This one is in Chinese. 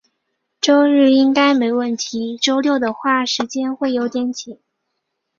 周日应该没问题，周六的话，时间会有点紧。